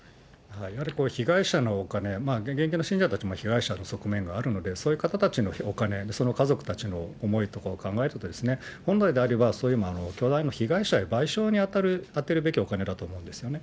やはり被害者のお金、現役の信者たちも被害者の側面があるので、そういう方たちのお金、その家族たちの思いとかを考えるとですね、本来であれば、被害者への賠償に充てるべきお金だと思うんですよね。